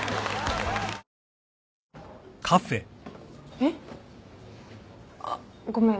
えっ？あっごめん。